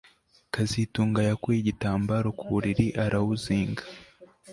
kazitunga yakuye igitambaro ku buriri arawuzinga